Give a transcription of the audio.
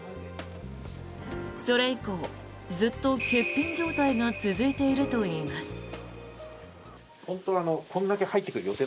それ以降、ずっと欠品状態が続いているといいます。